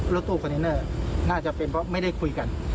รถตู้คอนเทนเนอร์น่าจะเป็นเพราะไม่ได้คุยกัน